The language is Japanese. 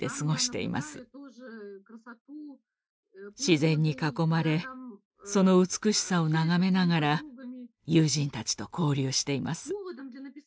自然に囲まれその美しさを眺めながら友人たちと交流しています。